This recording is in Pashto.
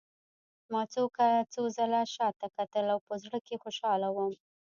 ما څو ځله شا ته کتل او په زړه کې خوشحاله وم